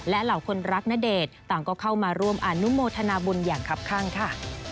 และเหล่าคนรักณเดชน์ต่างก็เข้ามาร่วมอนุโมทนาบุญอย่างคับข้างค่ะ